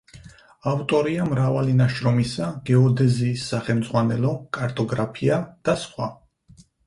ავტორია მრავალი ნაშრომისა: „გეოდეზიის სახელმძღვანელო“, „კარტოგრაფია“ და სხვა.